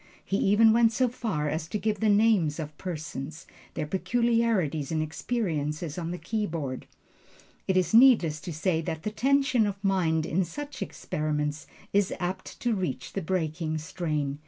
He even went so far as to give the names of persons, their peculiarities and experiences on the keyboard. It is needless to say that the tension of mind in such experiments is apt to reach the breaking strain.